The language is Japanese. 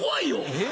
え？